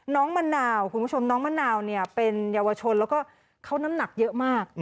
มะนาวคุณผู้ชมน้องมะนาวเนี่ยเป็นเยาวชนแล้วก็เขาน้ำหนักเยอะมาก